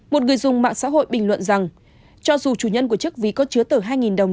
một người dùng mạng xã hội bình luận rằng cho dù chủ nhân của chiếc ví có chứa tờ hai đồng